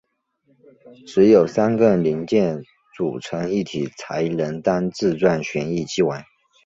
只有三个零件组成一体才能当自转旋翼机玩。